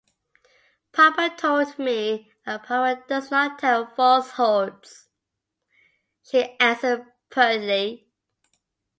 ‘Papa told me; and papa does not tell falsehoods,’ she answered pertly.